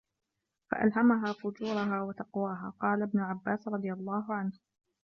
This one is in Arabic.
فَأَلْهَمَهَا فُجُورَهَا وَتَقْوَاهَا قَالَ ابْنُ عَبَّاسٍ رَضِيَ اللَّهُ عَنْهُ